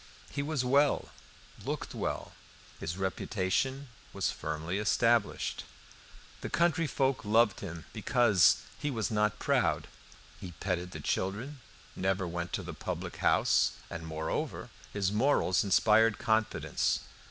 He was well, looked well; his reputation was firmly established. The country folk loved him because he was not proud. He petted the children, never went to the public house, and, moreover, his morals inspired confidence.